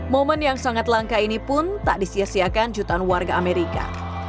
momen yang sangat langka ini pun tak disiasiakan jutaan warga amerika